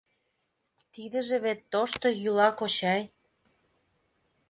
Тидыже вет тошто йӱла, кочай!